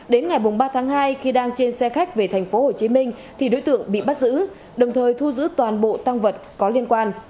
đến ngày ba tháng hai khi đang trên xe khách về thành phố hồ chí minh thì đối tượng bị bắt giữ đồng thời thu giữ toàn bộ tăng vật có liên quan